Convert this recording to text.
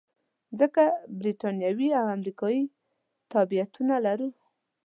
ځکه بریتانوي او امریکایي تابعیتونه لرو.